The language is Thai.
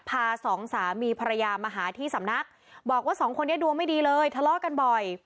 สองสามีภรรยามาหาที่สำนักบอกว่าสองคนนี้ดวงไม่ดีเลยทะเลาะกันบ่อย